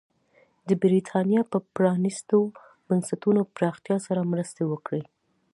د برېټانیا د پرانېستو بنسټونو پراختیا سره مرسته وکړي.